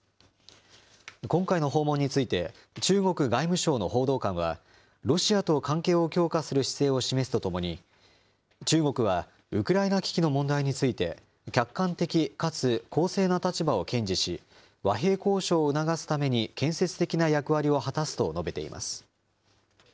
今回の訪問について、中国外務省の報道官は、ロシアと関係を強化する姿勢を示すとともに、中国はウクライナ危機の問題について、客観的かつ公正な立場を堅持し、和平交渉を促すために建設的な役割を果たすと述べています。